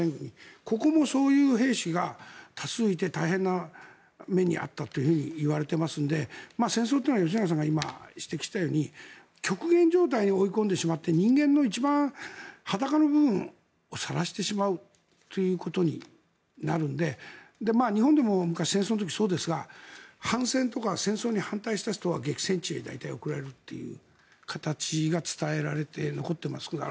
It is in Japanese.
ここもそういう兵士が多数いて大変な目に遭ったといわれていますので戦争は吉永さんが今指摘したように極限状態に追い込んでしまって人間の一番裸の部分をさらしてしまうということになるので日本でも昔、戦争の時そうですが反戦とか戦争に反対した人は激戦地へ大体送られるという形が伝えられて残っていますから